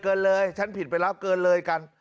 เกินเลยฉันผิดไปแล้วเกินเลยกัน